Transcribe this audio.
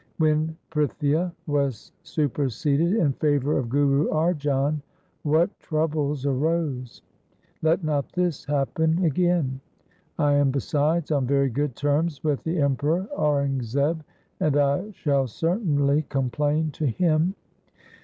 When Prithia was superseded in favour of Guru Arjan, what troubles arose! Let not this happen again. I am besides on very good terms with the Emperor Aurangzeb, and I shall certainly complain to him.'